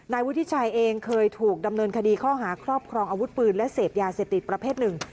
วุฒิชัยเองเคยถูกดำเนินคดีข้อหาครอบครองอาวุธปืนและเสพยาเสพติดประเภทหนึ่ง